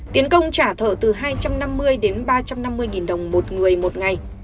tiền công trả thợ từ hai trăm năm mươi ba trăm năm mươi đồng một người một ngày